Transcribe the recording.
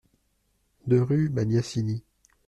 deux rue Magnassini